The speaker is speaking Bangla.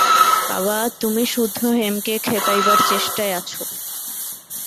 বাবা, তুমি-সুদ্ধ হেমকে খেপাইবার চেষ্টায় আছ।